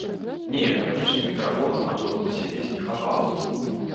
Не, канечне, мікрафонаў на конкурсе песні хапала.